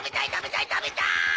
たべたい！